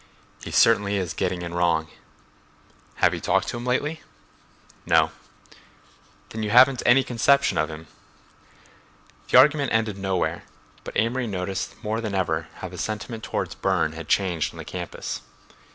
"He certainly is getting in wrong." "Have you talked to him lately?" "No." "Then you haven't any conception of him." The argument ended nowhere, but Amory noticed more than ever how the sentiment toward Burne had changed on the campus.